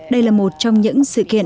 đây là một trong những sự kiện